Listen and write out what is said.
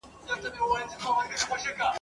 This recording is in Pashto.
نارينه پر ښځه باندي هيڅ ډول